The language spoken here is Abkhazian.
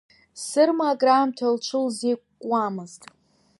Сырма акраамҭа лҽылзеиқәкуамызт.